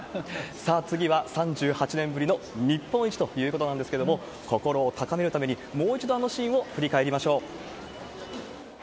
さあ、次は３８年ぶりの日本一ということなんですけれども、心を高めるために、もう一度あのシーンを振り返りましょう。